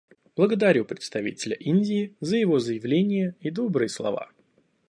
Благодарю представителя Индии за его заявление и добрые слова.